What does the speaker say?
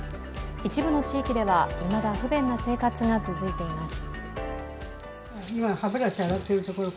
一部の地域では、いまだ不便な生活が続いています。